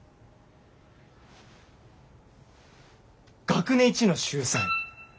学年一の秀才。